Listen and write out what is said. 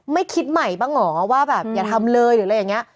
ไม่คิดใหม่บ้างหรอว่าแบบอย่าทำเลยอย่างนี้